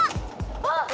あっ！